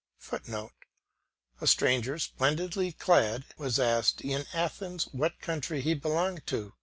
[Footnote: A stranger, splendidly clad, was asked in Athens what country he belonged to.